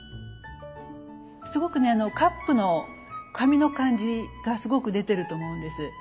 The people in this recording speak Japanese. すごくねカップの紙の感じがすごく出てると思うんです。